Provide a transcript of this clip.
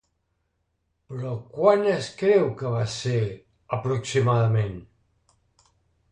Però quan es creu que va ser, aproximadament?